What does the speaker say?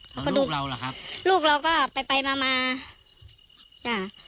แล้วลูกเราล่ะครับลูกเราก็ไปไปมามาอ่า